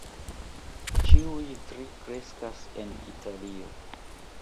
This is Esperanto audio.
Ĉiuj tri kreskas en Italio.